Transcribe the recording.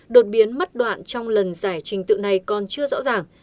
đột biến mất đoạn trong lần giải trình tự này còn chưa rõ ràng